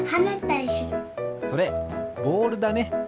それボールだね。